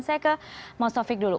saya ke mas taufik dulu